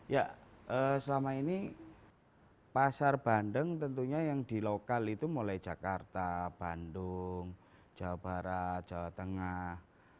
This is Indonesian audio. ya selama ini pasar bandeng tentunya yang di lokal itu mulai jakarta bandung jawa barat jawa tengah